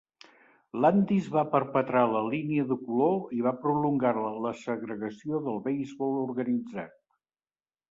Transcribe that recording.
Landis va perpetrar la línia de color i va prolongar la segregació del beisbol organitzat.